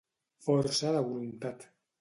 Força de voluntat.